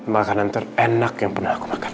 makanan terenak yang pernah aku makan